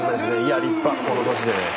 いや立派この年でね。